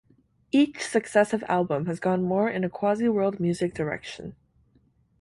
Each successive album has gone more in a quasi-world music direction.